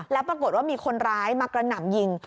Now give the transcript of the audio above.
แล้วปรากฏว่ามีคนร้ายมากระหน่ำยิง